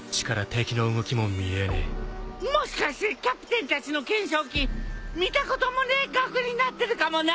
もしかしてキャプテンたちの懸賞金見たこともねえ額になってるかもな！